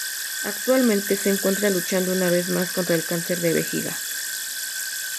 Actualmente se encuentra luchando una vez más contra el cáncer de vejiga.